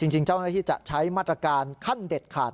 จริงเจ้าหน้าที่จะใช้มาตรการขั้นเด็ดขาด